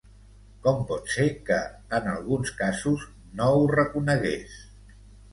Com pot ser que, en alguns casos, no ho reconegués?